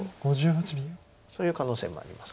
そういう可能性もあります。